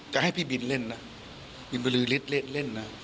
อยากให้พี่บิลเล่นวินดีรู้และเล่น